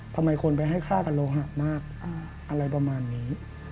ทำไมคนไปให้ฆ่ากับโลหะมากอะไรประมาณนี้